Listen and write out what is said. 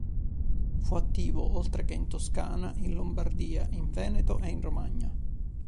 Fu attivo, oltre che in Toscana, in Lombardia, in Veneto e in Romagna.